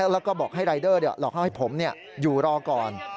แล้วก็บอกให้รายเดอร์หลอกให้ผมอยู่รอก่อน